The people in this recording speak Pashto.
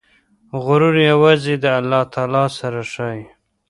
غرور یوازې د الله تعالی سره ښایي.